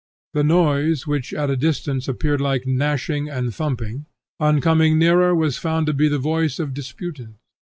The noise which at a distance appeared like gnashing and thumping, on coming nearer was found to be the voice of disputants.